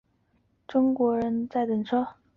中国人在等车